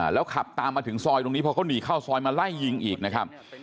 แล้วขับตามมาถึงซอยตรงนี้พอเขาหนีเข้าซอยมาไล่ยิงอีกนะครับ